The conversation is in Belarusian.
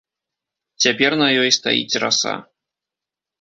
Цяпер на ёй стаіць раса.